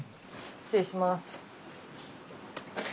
失礼します。